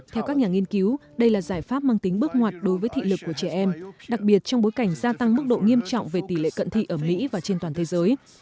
theo các nhà nghiên cứu đây là giải pháp mang tính bước ngoặt đối với thị lực của trẻ em đặc biệt trong bối cảnh gia tăng mức độ nghiêm trọng về tỷ lệ cận thị ở mỹ và trên toàn thế giới